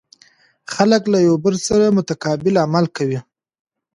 خلک له یو بل سره متقابل عمل کوي.